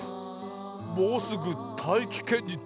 もうすぐたいきけんにとつにゅうだ。